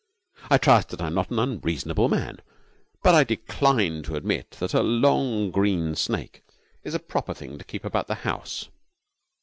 I trust that I am not an unreasonable man, but I decline to admit that a long, green snake is a proper thing to keep about the house.'